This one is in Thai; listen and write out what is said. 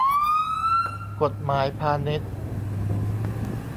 กฎหมายพาณิชย์